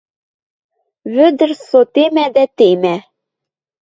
Вӧдӹр со темӓ дӓ темӓ...